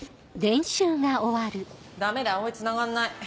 ダメだ蒼つながんない。